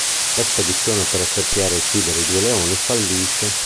La spedizione per accerchiare e uccidere i due leoni, fallisce.